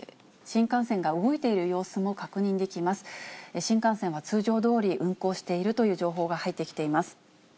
新幹線は通常どおり運行しているという情報が入ってきています。